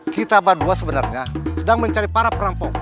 kita berdua sebenarnya sedang mencari para perampok